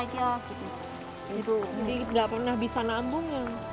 jadi gak pernah bisa nabung ya